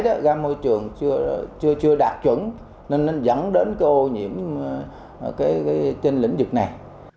ra môi trường chưa đạt chuẩn nên dẫn đến ô nhiễm trên lĩnh vực này